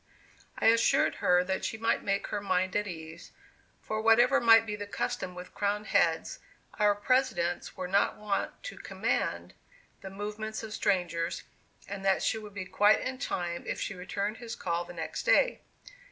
I assured her that she might make her mind at ease, for whatever might be the custom with crowned heads, our Presidents were not wont to "command" the movements of strangers, and that she would be quite in time if she returned his call the next day.